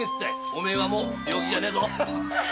お前はもう病気じゃねえぞ！